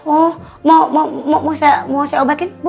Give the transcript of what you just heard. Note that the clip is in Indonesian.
oh mau saya obatin